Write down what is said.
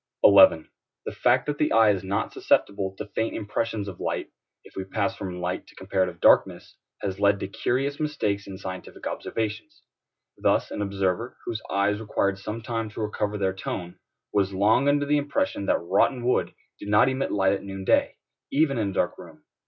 11. The fact that the eye is not susceptible to faint impressions of light, if we pass from light to comparative darkness, has led to curious mistakes in scientific observations. Thus an observer, whose eyes required some time to recover their tone, was long under the impression that rotten wood did not emit light at noon day, even in a dark room.